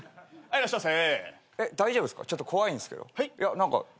いらっしゃいませ。